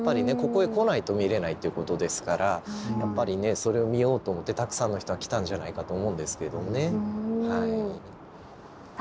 ここへ来ないと見れないということですからそれを見ようと思ってたくさんの人が来たんじゃないかと思うんですけどもね。